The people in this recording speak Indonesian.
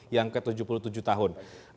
yang ke tujuh puluh tujuh tahun